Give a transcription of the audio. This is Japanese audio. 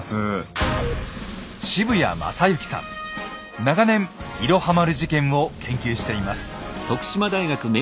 長年「いろは丸事件」を研究しています。